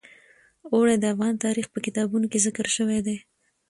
اوړي د افغان تاریخ په کتابونو کې ذکر شوی دي.